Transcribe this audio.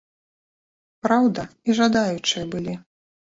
Праўда, і жадаючыя былі.